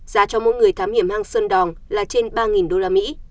giá cho mỗi người thám hiểm hang sơn đỏng là trên ba usd